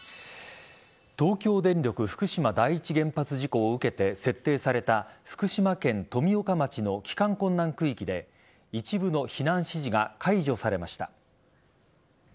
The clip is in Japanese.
東京電力福島第一原発事故を受けて設定された福島県富岡町の帰還困難区域で一部の避難指示が解除されました。